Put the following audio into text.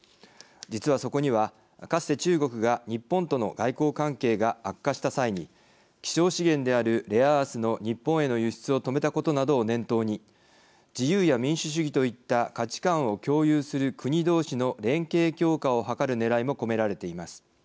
実は、そこにはかつて中国が日本との外交関係が悪化した際に希少資源であるレアアースの日本への輸出を止めたことなどを念頭に自由や民主主義といった価値観を共有する国同士の連携強化を図るねらいも込められています。